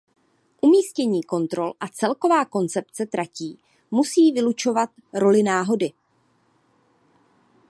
Umístění kontrol a celková koncepce tratí musí vylučovat roli náhody.